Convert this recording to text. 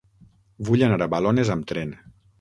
Vull anar a Balones amb tren.